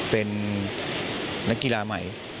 เป็นนักกีฬาใหม่